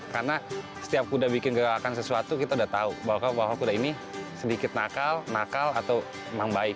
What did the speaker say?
karena setiap kuda bikin gerakan sesuatu kita sudah tahu bahwa kuda ini sedikit nakal nakal atau memang baik